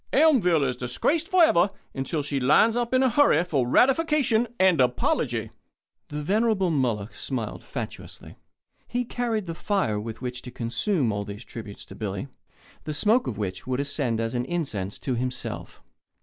Elmville is disgraced forever until she lines up in a hurry for ratification and apology." The venerable Moloch smiled fatuously. He carried the fire with which to consume all these tributes to Billy, the smoke of which would ascend as an incense to himself.